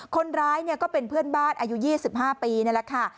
คนร้ายก็เป็นเพื่อนบ้านอายุ๒๕ปีนี่แหละค่ะ